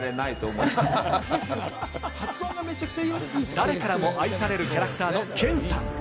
誰からも愛されるキャラクターのケンさん。